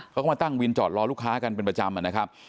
เขาก็มาตั้งวินจอดรอลูกค้ากันเป็นประจำนะครับ